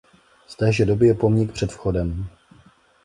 Z téže doby je pomník před vchodem.